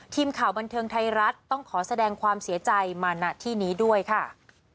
ทีมข่าวบันเทิงไทยรัฐต้องขอแสดงความเสียใจมาณที่นี้ด้วยค่ะ